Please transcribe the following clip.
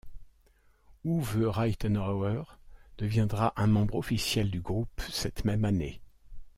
Uwe Reitenauer deviendra un membre officiel du groupe cette même année.